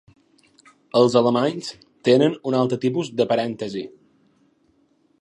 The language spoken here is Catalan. Els alemanys tenen un altre tipus de parèntesi.